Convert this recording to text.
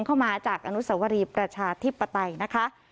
เข้ามาจากอนุสวรีประชาธิปไตยนะคะ